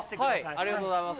ありがとうございます。